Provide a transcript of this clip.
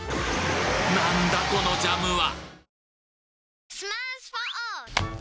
なんだこのジャムは！